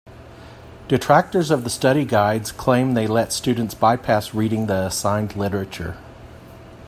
Detractors of the study guides claim they let students bypass reading the assigned literature.